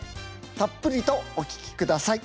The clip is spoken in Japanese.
たっぷりとお聴きください。